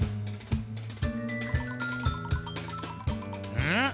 うん？